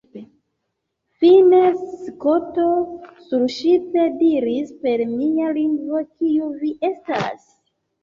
Fine, Skoto surŝipe diris per mia lingvo, “Kiu vi estas? »